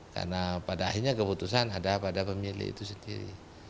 karena pada akhirnya keputusan ada pada pemilih itu sendiri